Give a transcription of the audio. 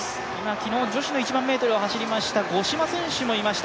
昨日女子の１００００ｍを走りました五島選手もいました。